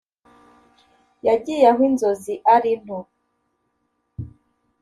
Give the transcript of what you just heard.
yagiye aho inzozi ari nto